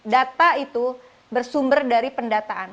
data itu bersumber dari pendataan